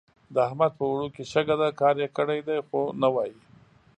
د احمد په اوړو کې شګه ده؛ کار يې کړی دی خو نه وايي.